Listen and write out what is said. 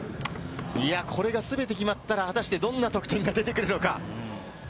これがすべて決まったら、どんな得点が出てくるのか？